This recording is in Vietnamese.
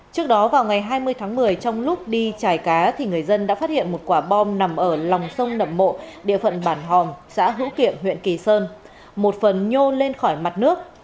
trước đó vào ngày hai mươi tháng một mươi trong lúc đi trải cá thì người dân đã phát hiện một quả bom nằm ở lòng sông nậm mộ địa phận bản hòm xã hữu kiệm huyện kỳ sơn một phần nhô lên khỏi mặt nước